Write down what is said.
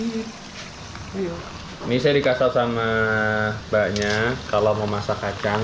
ini saya dikasih sama mbaknya kalau mau masak kacang